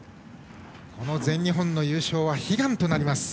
全日本の優勝は悲願となります。